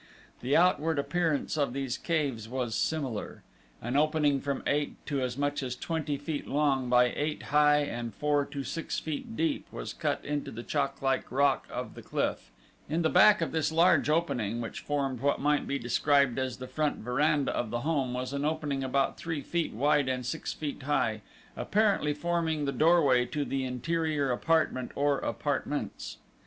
The outward appearance of these caves was similar. An opening from eight to as much as twenty feet long by eight high and four to six feet deep was cut into the chalklike rock of the cliff, in the back of this large opening, which formed what might be described as the front veranda of the home, was an opening about three feet wide and six feet high, evidently forming the doorway to the interior apartment or apartments.